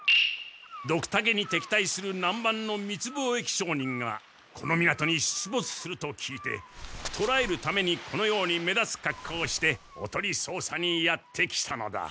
ドクタケに敵対する南蛮の密貿易商人がこの港に出ぼつすると聞いてとらえるためにこのように目立つ格好をしておとりそうさにやって来たのだ。